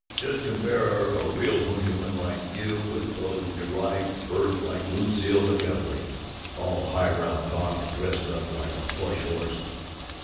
Just compare a real human like you with these neurotic birds like Lucile McKelvey all highbrow talk and dressed up like a plush horse!